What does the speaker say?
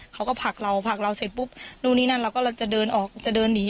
เขาก็ผลักเราผลักเราเสร็จปุ๊บนู่นนี่นั่นเรากำลังจะเดินออกจะเดินหนี